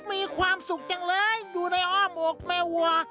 มีความสุขจังเลยอยู่ในอ้อมอกแม่วัว